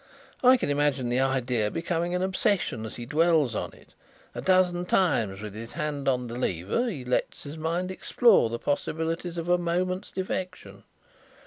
I can imagine the idea becoming an obsession as he dwells on it. A dozen times with his hand on the lever he lets his mind explore the possibilities of a moment's defection.